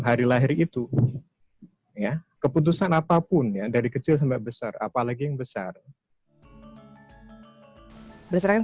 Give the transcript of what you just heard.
hari lahir itu ya keputusan apapun ya dari kecil sampai besar apalagi yang besar berdasarkan